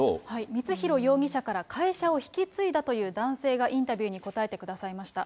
光弘容疑者から会社を引き継いだという男性がインタビューに答えてくださいました。